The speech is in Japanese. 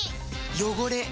汚れ。